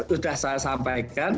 sudah saya sampaikan